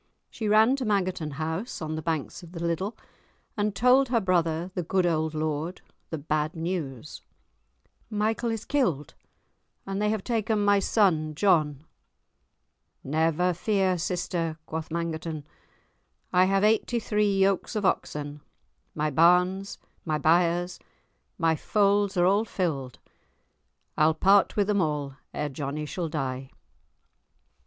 She ran to Mangerton House, on the banks of the Liddel, and told her brother, the good old lord, the bad news. "Michael is killed, and they have taken my son John." "Never fear, sister," quoth Mangerton, "I have eighty three yokes of oxen, my barns, my byres, my folds are all filled, I'll part with them all ere Johnie shall die."